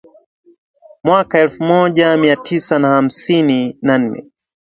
Mwaka Elfu moja miatisa na hamsini na nne